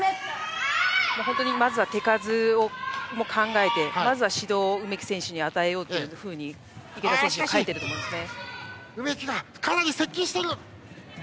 手数を考えてまずは指導を梅木選手に与えようというふうに池田選手は変えたと思います。